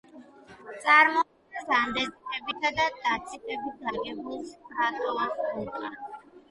წარმოადგენს ანდეზიტებითა და დაციტებით აგებულ სტრატოვულკანს.